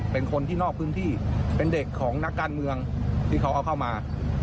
เป็นคนที่นอกพื้นที่เป็นเด็กของนักการเมืองที่เขาเอาเข้ามา